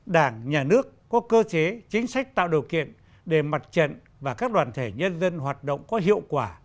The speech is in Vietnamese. đảng nhà nước có cơ chế chính sách tạo điều kiện để mặt trận và các đoàn thể nhân dân hoạt động có hiệu quả